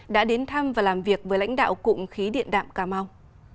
đã đến thăm và làm việc với lãnh đạo cụng khí điện đạm cà mau